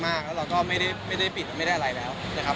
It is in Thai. แล้วเราก็ไม่ได้ปิดไม่ได้อะไรแล้วนะครับ